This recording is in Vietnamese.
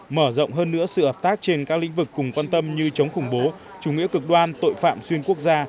mở rộng hơn nữa sự hợp tác trên các lĩnh vực cùng quan tâm như chống khủng bố chủ nghĩa cực đoan tội phạm xuyên quốc gia